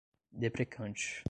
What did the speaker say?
deprecante